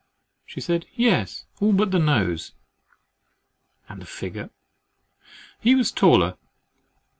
—She said "Yes, all but the nose."—"And the figure?"—"He was taller."